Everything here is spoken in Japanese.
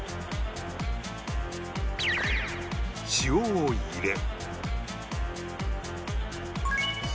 塩を入れ